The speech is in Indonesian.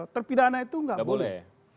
terpidana itu tidak boleh